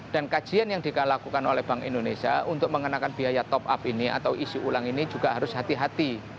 dan kajian yang dilakukan oleh bank indonesia untuk mengenakan biaya top up ini atau isi ulang ini juga harus hati hati